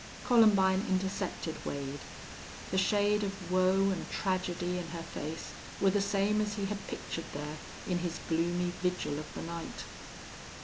Columbine intercepted Wade. The shade of woe and tragedy in her face were the same as he had pictured there in his gloomy vigil of the night.